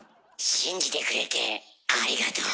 信じてくれてありがとう。